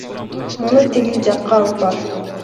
Муну тигил жакка алып бар!